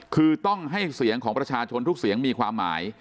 คือต้องให้เสียงของประชาชนทุกเสียงมีความหมาย